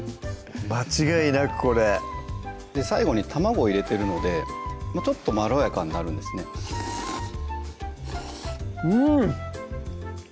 間違いなくこれ最後に卵を入れてるのでちょっとまろやかになるんですねうん！